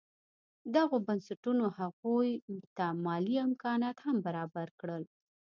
دغو بنسټونو هغوی ته مالي امکانات هم برابر کړل.